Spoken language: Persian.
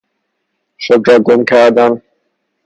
خود را گم کردن